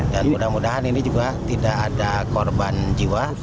dan mudah mudahan ini juga tidak ada korban jiwa